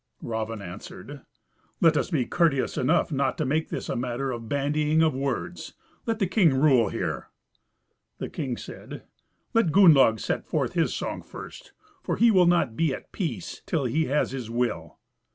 Raven answered, "Let us be courteous enough not to make this a matter of bandying of words. Let the king rule here." The king said, "Let Gunnlaug set forth his song first, for he will not be at peace till he has his will."